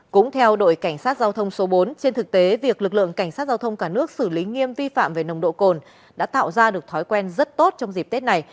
cũng theo đội cảnh sát giao thông số bốn trên thực tế việc lực lượng cảnh sát giao thông cả nước xử lý nghiêm vi phạm về nồng độ cồn đã tạo ra được thói quen rất tốt trong dịp tết này